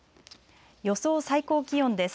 予想最高気温です。